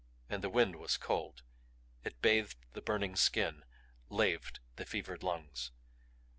And the wind was cold; it bathed the burning skin; laved the fevered lungs.